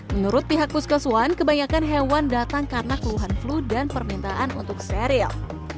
menurut pihak puskeswan kebanyakan hewan datang karena keluhan flu dan permintaan untuk serial